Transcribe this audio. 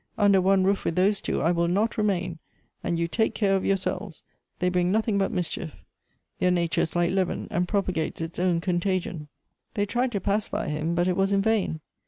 Under one roof with those two I will not remain, and you take care of yourselves. They bring nothing but mischief; their nature is like leaven, and propagates its own con tagion." They tried to pacify him, but it was in vain.